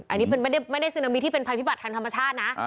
อันนี้ไม่ได้ซึนามิที่เป็นภัยพิบัติทางธรรมชาตินะ